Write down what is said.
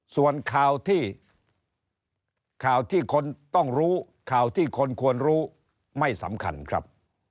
ส่วนข่าวที่ข่าวที่คนต้องรู้ข่าวที่คนควรรู้ไม่สำคัญครับ